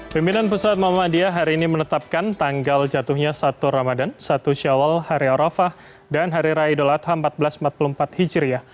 pemimpinan pusat muhammadiyah hari ini menetapkan tanggal jatuhnya satu ramadan satu syawal hari arafah dan hari raya idul adha seribu empat ratus empat puluh empat hijriah